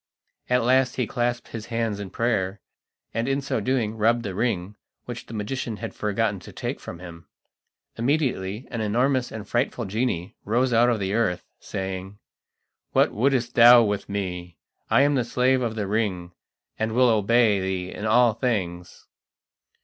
At last he clasped his hands in prayer, and in so doing rubbed the ring, which the magician had forgotten to take from him. Immediately an enormous and frightful genie rose out of the earth, saying: "What wouldst thou with me? I am the Slave of the Ring, and will obey thee in all things."